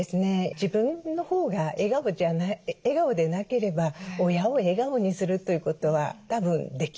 自分のほうが笑顔でなければ親を笑顔にするということはたぶんできないと思うんですね。